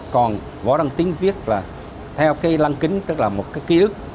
còn võ đăng tín viết là theo cái lăng kính tức là một cái ký ức